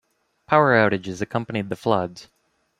Power outages accompanied the floods.